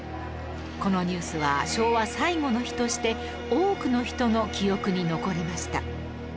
このニュースは昭和最後の日として多くの人の記憶に残りました